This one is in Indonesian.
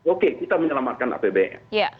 oke kita menyelamatkan apbn